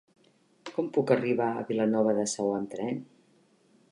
Com puc arribar a Vilanova de Sau amb tren?